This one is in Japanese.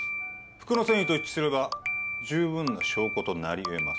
服の繊維と一致すれば十分な証拠となり得ます